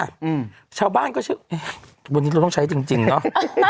อืมชาวบ้านก็เชื่อวันนี้เราต้องใช้จริงจริงเนอะ